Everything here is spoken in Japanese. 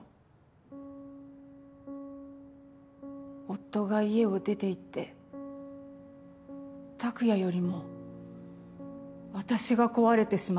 夫が家を出ていって拓也よりも私が壊れてしまった。